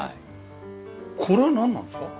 これはなんなんですか？